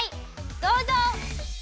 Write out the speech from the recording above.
どうぞ！